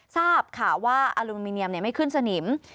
ทราบข่าวว่าอลูมิเนียมไม่ขึ้นสนิม